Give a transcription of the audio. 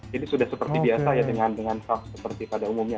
jadi sudah seperti biasa ya dengan sholat seperti pada umumnya